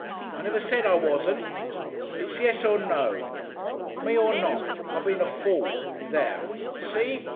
I never said I wasn't. It's yes or no. Me or not.... I been a fool. There! See?